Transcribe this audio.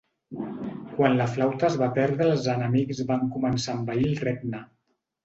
Quan la flauta es va perdre els enemics van començar a envair el regne.